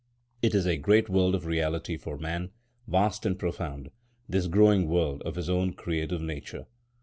It is a great world of reality for man,—vast and profound,—this growing world of his own creative nature.